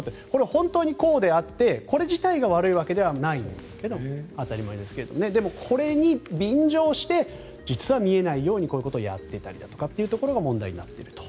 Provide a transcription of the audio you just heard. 本当にこうであってこれ自体が悪いわけではないんですけどでもこれに便乗して実は見えないようにこういうことをやっていたりというところが問題になっていると。